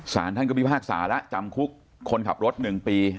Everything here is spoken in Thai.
สารท่านก็มีภาคสาระจำคุกคนขับรถ๑ปี